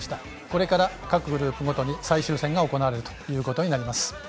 これから各グループごとに最終戦が行われるということになります。